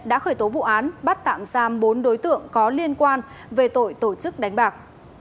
đã khởi tố vụ án bắt tạm giam bốn đối tượng có liên quan về tội tổ chức đánh bạc